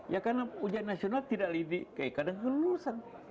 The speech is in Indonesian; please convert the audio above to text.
ya karena ujian nasional tidak lebih kadang kadang lulusan